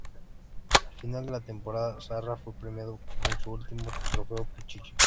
Al final de la temporada, Zarra fue premiado con su último Trofeo Pichichi.